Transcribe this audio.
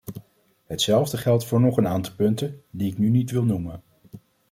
Hetzelfde geldt voor nog een aantal punten, die ik nu niet wil noemen.